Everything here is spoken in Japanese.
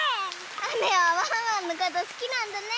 あめはワンワンのことすきなんだね！